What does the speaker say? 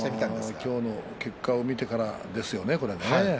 今日の結果を見てからですよね。